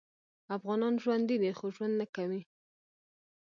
افغانان ژوندي دې خو ژوند نکوي